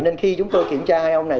nên khi chúng tôi kiểm tra hai ông này